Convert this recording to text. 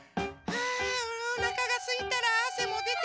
あおなかがすいたらあせもでて。